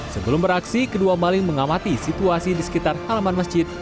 sebelum beraksi kedua maling mengamati situasi di sekitar halaman masjid